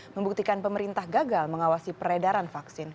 membuktikan pemerintah gagal mengawasi peredaran vaksin